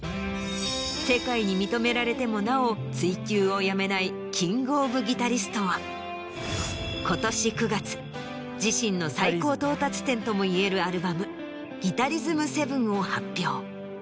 世界に認められてもなお追求をやめないキング・オブ・ギタリストは今年９月自身の最高到達点ともいえる。を発表。